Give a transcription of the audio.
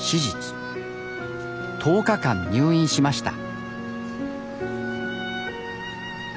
１０日間入院しました。